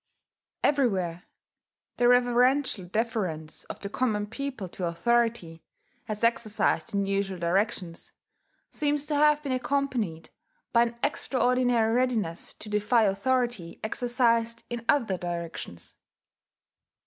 Everywhere the reverential deference of the common people to authority, as exercised in usual directions, seems to have been accompanied by an extraordinary readiness to defy authority exercised in other directions.